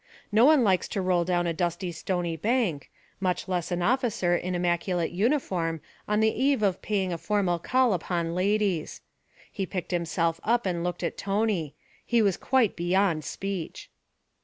No one likes to roll down a dusty stony bank, much less an officer in immaculate uniform on the eve of paying a formal call upon ladies. He picked himself up and looked at Tony; he was quite beyond speech.